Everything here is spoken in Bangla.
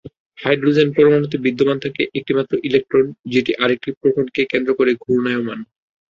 হাইড্রোজেন পরমাণুতে বিদ্যমান থাকে একটিমাত্র ইলেকট্রোন, যেটি আরেকটি প্রোটনকে কেন্দ্র করে ঘুর্ণায়মাণ।